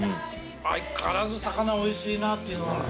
相変わらず魚おいしいなっていう。